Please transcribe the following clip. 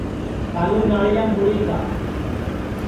کالو ناݪیام گُڑی گا